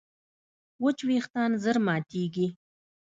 وچ وېښتيان ژر ماتېږي.